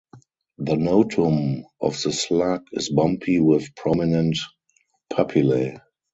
The notum of the slug is bumpy with prominent papillae.